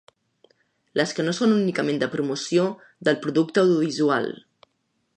Les que no són únicament de promoció del producte audiovisual.